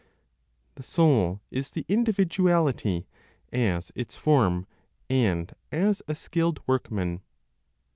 THE SOUL IS THE INDIVIDUALITY, AS ITS FORM, AND AS A SKILLED WORKMAN.